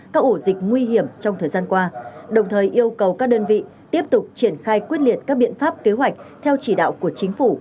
các ổ dịch nguy hiểm trong thời gian qua đồng thời yêu cầu các đơn vị tiếp tục triển khai quyết liệt các biện pháp kế hoạch theo chỉ đạo của chính phủ